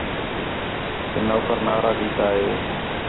کہ نوکر نعرہ ݙِتّا ہے